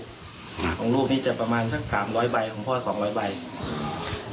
ครับของลูกนี่จะประมาณซัก๓๐๐บาทของพ่อ๒๐๐บาท